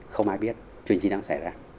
không ai biết chuyện gì đang xảy ra